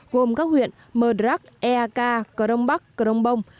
gồm các huyện mờ đắc eak crong bắc crong bông